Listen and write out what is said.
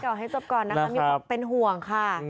เอาให้จบก่อนนะครับเป็นห่วงค่ะ